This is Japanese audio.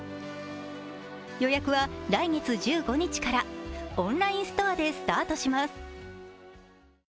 予約は来月１５日から、オンラインストアでスタートします。